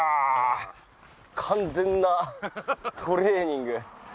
完全なトレーニング。